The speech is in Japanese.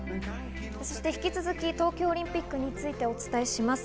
引き続き東京オリンピックについてお伝えします。